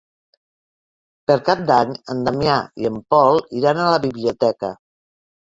Per Cap d'Any en Damià i en Pol iran a la biblioteca.